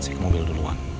saya ke mobil duluan